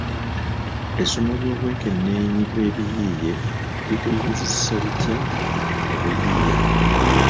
Essomo ly’obwekenneenyi bw’ebiyiiye likuyinzisisa litya mu buyiiya?